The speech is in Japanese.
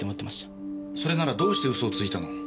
それならどうして嘘をついたの？